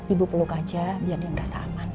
ibu peluk aja biar dia merasa aman